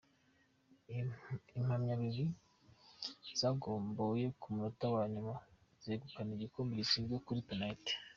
Impamyabigwi I zagomboye ku munota wa nyuma zegukana igikombe zitsinze kuri penaliti.